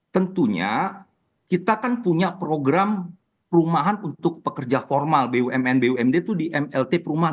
tentunya kita kan punya program perumahan untuk pekerja formal bumn bumd itu di mlt perumahan